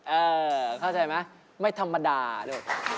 เออเข้าใจไหมไม่ธรรมดาลูก